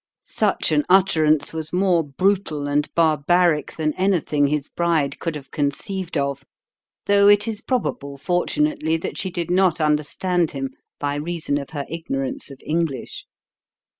Such an utterance was more brutal and barbaric than anything his bride could have conceived of, though it is probable, fortunately, that she did not understand him by reason of her ignorance of English.